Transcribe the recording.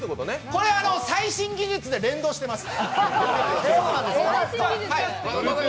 これ、最新技術で連動してます。